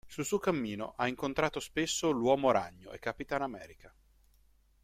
Sul suo cammino ha incontrato spesso l'Uomo Ragno e Capitan America.